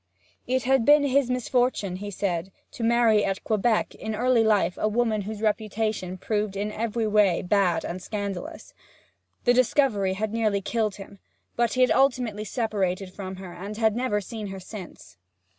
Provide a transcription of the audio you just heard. It had been his misfortune, he said, to marry at Quebec in early life a woman whose reputation proved to be in every way bad and scandalous. The discovery had nearly killed him; but he had ultimately separated from her, and had never seen her since.